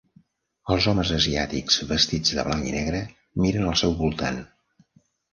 Els homes asiàtics vestits de blanc i negre miren al seu voltant.